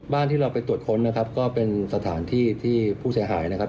ที่เราไปตรวจค้นนะครับก็เป็นสถานที่ที่ผู้เสียหายนะครับ